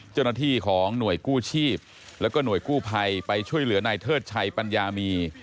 เจ้าหน้าที่ของหน่วยกู้ชีพแล้วก็หน่วยกู้ภัยไปช่วยเหลือนายเทิดชัยปัญญามี